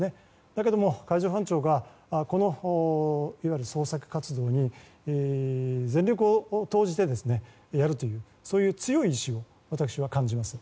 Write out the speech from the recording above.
だけども海上保安庁がこの捜索活動に全力を投じてやるそういう強い意志を私は感じます。